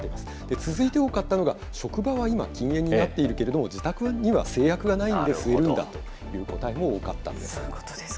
続いて多かったのが、職場は今、禁煙になっているけれども、自宅には制約がないんで、吸えるんだという答えも多かったんです。